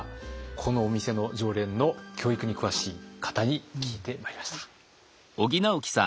このお店の常連の教育に詳しい方に聞いてまいりました。